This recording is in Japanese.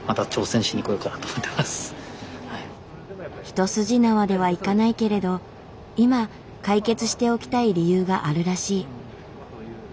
一筋縄ではいかないけれど今解決しておきたい理由があるらしい。